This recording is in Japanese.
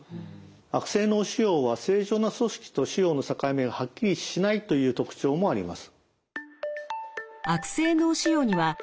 悪性脳腫瘍は正常な組織と腫瘍の境目がはっきりしないという特徴もあります。